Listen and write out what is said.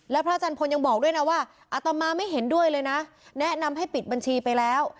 แล้วพระอาจารย์พลยังบอกด้วยนะว่าอัตมาไม่เห็นด้วยเลยนะแนะนำให้ปิดบัญชีไปแล้ว